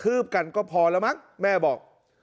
ืบกันก็พอแล้วมั้งแม่บอก